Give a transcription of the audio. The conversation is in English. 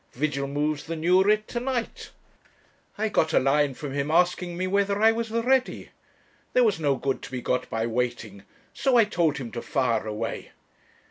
Vigil moves the new writ to night; I got a line from him asking me whether I was ready. There was no good to be got by waiting, so I told him to fire away.'